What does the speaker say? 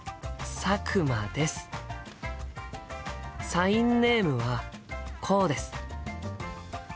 サインネームはこうです。